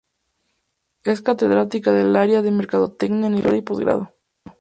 Es catedrática del área de Mercadotecnia a nivel licenciatura y posgrado.